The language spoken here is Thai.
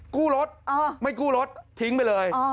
กู้รถไม่กู้รถทิ้งไปเลย